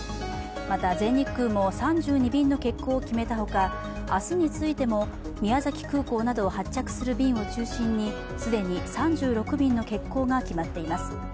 また全日空も３２便の欠航を決めたほか、明日についても宮崎空港などを発着する便を中心に既に３６便の欠航が決まっています。